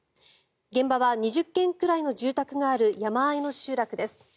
現場は２０件くらいの住宅がある山あいの集落です。